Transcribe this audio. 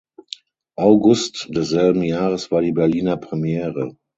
August desselben Jahres war die Berliner Premiere.